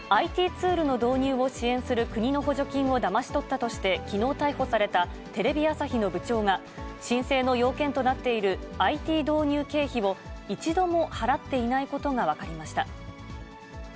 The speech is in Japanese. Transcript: ＩＴツールの導入を支援する国の補助金をだまし取ったとして、きのう逮捕されたテレビ朝日の部長が、申請の要件となっているＩＴ導入経費を、一度も払っていないことが分かりました。